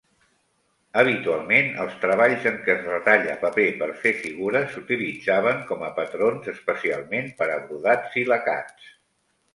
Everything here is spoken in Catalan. Habitualment, els treballs en què es retalla paper per fer figures s'utilitzaven com a patrons, especialment per a brodats i lacats.